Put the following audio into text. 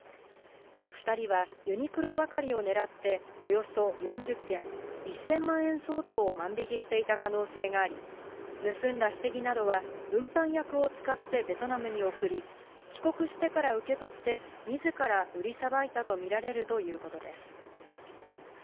２人はユニクロばかりを狙って、およそ４０件、１０００万円相当を万引きしていた可能性があり、盗んだ下着などは運搬役を使ってベトナムに送り、帰国してから受け取って、みずから売りさばいたと見られるということです。